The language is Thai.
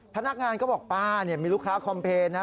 พนักงานก็บอกป้ามีลูกค้าคอมเพลย์นะ